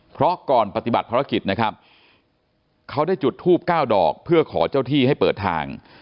เพราะก่อนปฏิบัติภารกิจนะครับเขาได้จุดทูบ๙ดอกเพื่อขอเจ้าที่ให้เปิดทาง